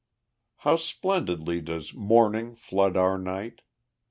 How splendidly does "Morning" flood our night!